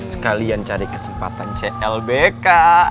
sekalian cari kesempatan clbk